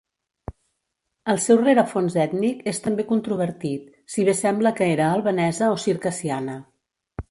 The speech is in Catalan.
El seu rerefons ètnic és també controvertit, si bé sembla que era albanesa o circassiana.